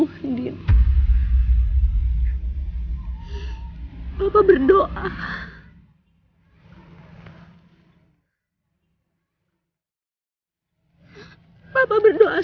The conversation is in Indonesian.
harus merupakan emma